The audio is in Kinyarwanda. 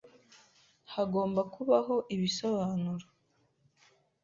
Hagomba kubaho ibisobanuro.